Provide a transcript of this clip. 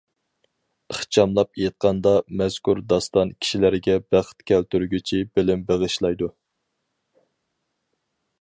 ئىخچاملاپ ئېيتقاندا، مەزكۇر داستان كىشىلەرگە بەخت كەلتۈرگۈچى بىلىم بېغىشلايدۇ.